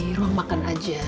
di rumah makan aja